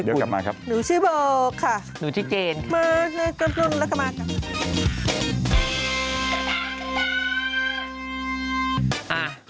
หนูชื่อเบอร์ค่ะมากกับนุนและกับเบอร์ค่ะหนูชื่อเจนค่ะ